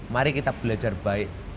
mari kita belajar baik